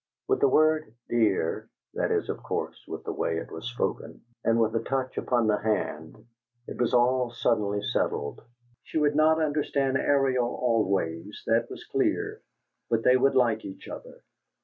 With the word "dear" (that is, of course, with the way it was spoken), and with the touch upon the hand, it was all suddenly settled; she would not understand Ariel always that was clear but they would like each other.